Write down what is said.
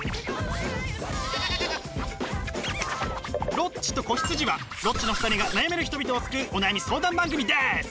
「ロッチと子羊」はロッチの２人が悩める人々を救うお悩み相談番組です！